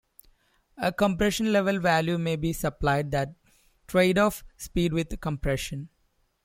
A compression level value may be supplied that trades-off speed with compression.